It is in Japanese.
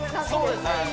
そうですね